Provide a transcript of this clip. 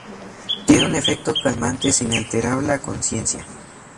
Tiene un efecto calmante sin alterar la conciencia.